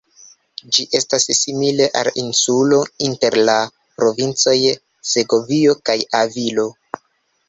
Ĝi estas simile al insulo, inter la provincoj Segovio kaj Avilo.